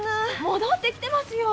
戻ってきてますよ。